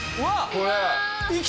これ。